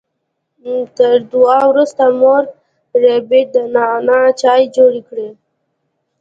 تر دعا وروسته مور ربیټ د نعنا چای جوړ کړ